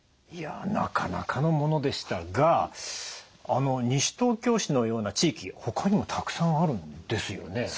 いやなかなかのものでしたが西東京市のような地域ほかにもたくさんあるんですよね。